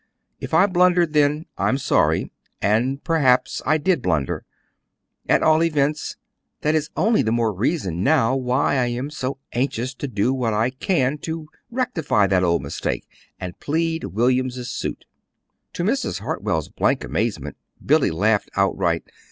If I blundered then, I'm sorry; and perhaps I did blunder. At all events, that is only the more reason now why I am so anxious to do what I can to rectify that old mistake, and plead William's suit." To Mrs. Hartwell's blank amazement, Billy laughed outright.